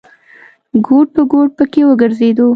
ګوټ په ګوټ پکې وګرځېدو.